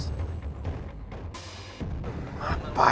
lepas itu ya